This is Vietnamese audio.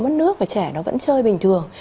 mất nước và trẻ nó vẫn chơi bình thường